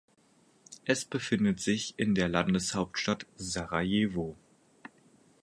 Es befindet sich in der Landeshauptstadt Sarajevo.